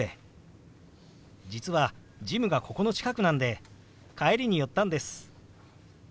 実はジムがここの近くなんで帰りに寄ったんです。